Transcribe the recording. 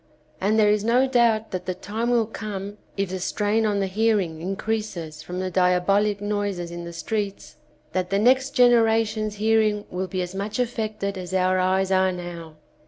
And there is no doubt that the time will come, if the strain on the hear ing increases from the diabohc noises in the streets, that the next generation's hear ing will be as much affected as our eyes are now.